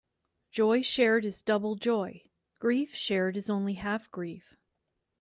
Joy shared is double joy; grief shared is only half grief.